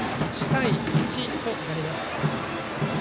１対１となります。